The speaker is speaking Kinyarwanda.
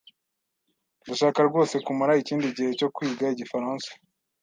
Ndashaka rwose kumara ikindi gihe cyo kwiga igifaransa.